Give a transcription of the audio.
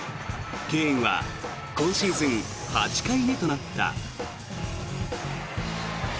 敬遠は今シーズン８回目となった。